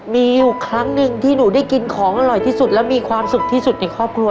มีอยู่ครั้งหนึ่งที่หนูได้กินของอร่อยที่สุดแล้วมีความสุขที่สุดในครอบครัว